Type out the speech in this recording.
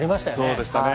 そうでしたね